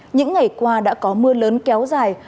những ngày qua đã có mưa lớn kéo dài